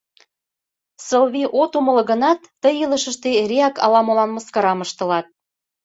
Сылвий, от умыло гынат, тый илышыште эреак ала-молан мыскарам ыштылат.